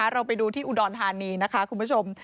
เราไปดูที่อุดอนฮานีคุณผู้ชม